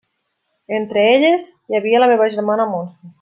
Entre elles hi havia la meva germana Montse.